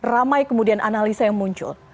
ramai kemudian analisa yang muncul